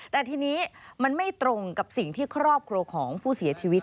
แต่ทีนี้มันไม่ตรงกับสิ่งที่ครอบครัวของผู้เสียชีวิต